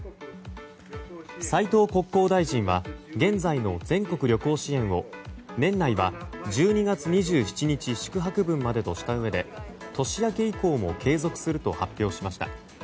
斉藤国交大臣は現在の全国旅行支援を年内は１２月２７日宿泊分までとしたうえで年明け以降も継続すると発表しました。